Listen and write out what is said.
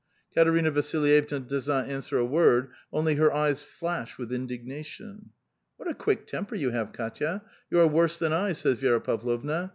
Katerina Vasilj evna does not answer a word, only her eyes flash with indignation. What a quick temper you have, K&tya. You are woree than I," says Vi^ra Pavlovna.